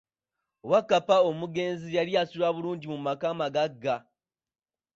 Wakkapa omugezi yali assula bulungi mu maka amagagga.